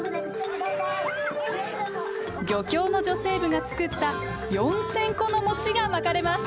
漁協の女性部が作った４，０００個の餅がまかれます。